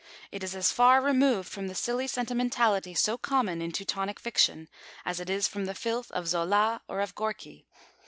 It is as far removed from the silly sentimentality so common in Teutonic fiction, as it is from the filth of Zola or of Gorky.